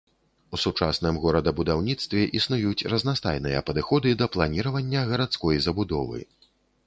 У сучасным горадабудаўніцтве існуюць разнастайныя падыходы да планіравання гарадской забудовы.